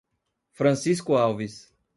Francisco Alves